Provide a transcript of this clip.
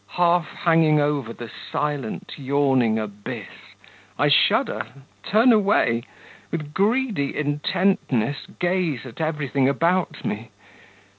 Half hanging over the silent, yawning abyss, I shudder, turn away, with greedy intentness gaze at everything about me.